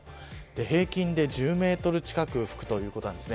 平均で１０メートル近く吹くということなんです。